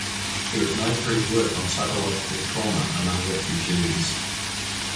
He was known for his work on psychological trauma among refugees.